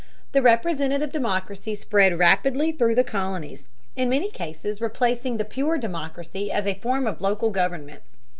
The representative democracy spread rapidly through the colonies, in many cases replacing the pure democracy as a form of local government.